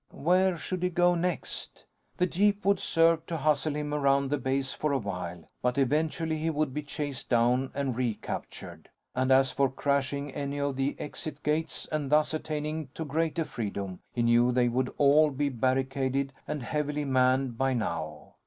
Where should he go next? The jeep would serve to hustle him around the base for a while but eventually he would be chased down and recaptured. And as for crashing any of the exit gates and thus attaining to greater freedom, he knew they would all be barricaded and heavily manned by now.